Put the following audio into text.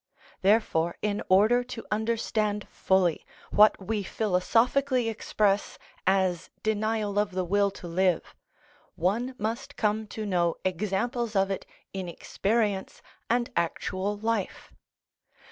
Therefore, in order to understand fully what we philosophically express as denial of the will to live, one must come to know examples of it in experience and actual life.